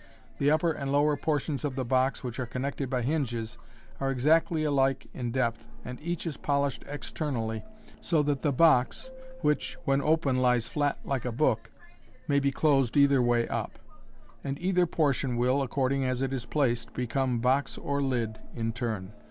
The upper and lower portions of the box, which are connected by hinges, are exactly alike in depth, and each is polished externally, so that the box, vvhich, when open, lies flat like a book, may be closed either way up j and either portion will, according as it is placed, become box or lid MODERN MAGIC. 135 in turn.